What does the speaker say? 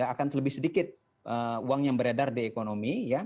akan lebih sedikit uang yang beredar di ekonomi